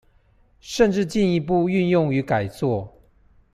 甚至進一步運用與改作